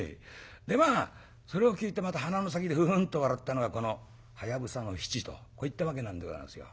でまあそれを聞いてまた鼻の先でふふんと笑ったのがこのはやぶさの七とこういったわけなんでござんすよ。